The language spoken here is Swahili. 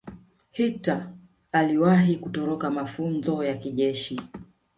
hitler aliwahi kutoroka mafunzo ya kijeshi